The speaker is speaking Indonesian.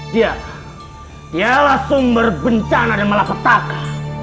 dia dialah sumber bencana dan malapetaka